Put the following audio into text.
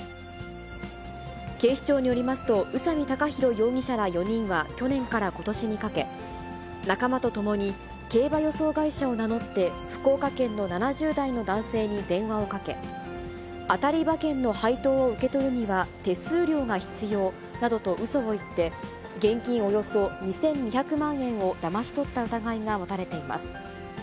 警視庁によりますと、宇佐美貴宏容疑者ら４人は去年からことしにかけ、仲間と共に、競馬予想会社を名乗って福岡県の７０代の男性に電話をかけ、当たり馬券の配当を受け取るには、手数料が必要などとうそを言って、現金およそ２２００万円をだまし取った疑いが持たれています。